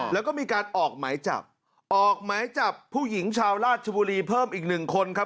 แล้วก็มีการออกหมายจับออกหมายจับผู้หญิงชาวราชบุรีเพิ่มอีกหนึ่งคนครับ